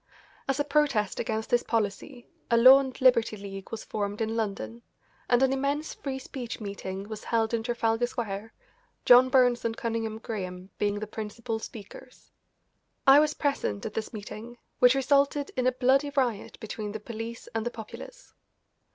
As a protest against this policy a Law and Liberty League was formed in London, and an immense Free Speech meeting was held in Trafalgar Square, John Burns and Cunningham Graham being the principal speakers. I was present at this meeting, which resulted in a bloody riot between the police and the populace.